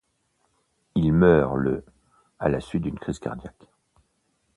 Il meurt le à la suite d'une crise cardiaque.